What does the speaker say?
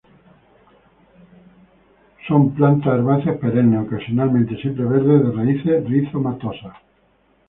Son plantas herbáceas perennes, ocasionalmente siempreverdes, de raíces rizomatosas.